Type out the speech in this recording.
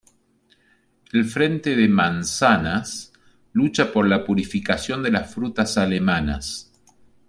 El Frente de Manzanas lucha por la purificación de las frutas alemanas.